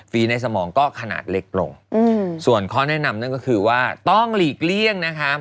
ในสมองก็ขนาดเล็กลงส่วนข้อแนะนำนั่นก็คือว่าต้องหลีกเลี่ยงนะคะ